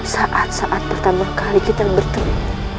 saat saat pertama kali kita bertemu